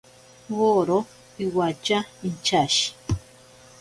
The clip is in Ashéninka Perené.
Woro iwatya inchashi.